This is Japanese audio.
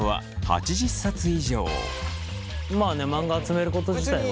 まあねマンガ集めること自体は。